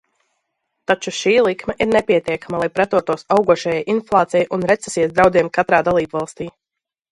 Taču šī likme ir nepietiekama, lai pretotos augošajai inflācijai un recesijas draudiem katrā dalībvalstī.